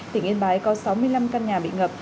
tỉnh yên bái có sáu mươi năm căn nhà bị ngập